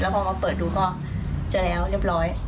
พอมาเปิดดูก็จะแล้วเรียบร้อย